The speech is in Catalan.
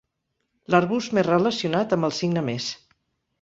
L'arbust més relacionat amb el signe més.